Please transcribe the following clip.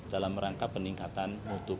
dalam rangka peningkatan